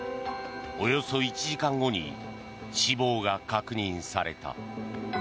およそ１時間後に死亡が確認された。